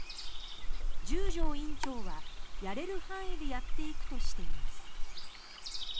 重城院長は、やれる範囲でやっていくとしています。